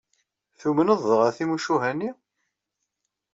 Tumneḍ dɣa timucuha-nni?